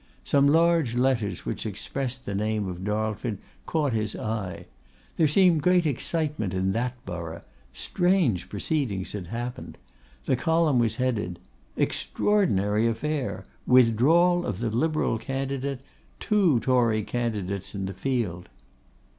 Some large letters which expressed the name of Darlford caught his eye. There seemed great excitement in that borough; strange proceedings had happened. The column was headed, 'Extraordinary Affair! Withdrawal of the Liberal Candidate! Two Tory Candidates in the field!!!